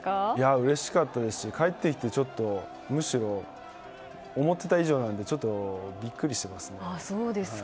うれしかったですし帰ってきて、むしろ思っていた以上なのでちょっとビックリしています。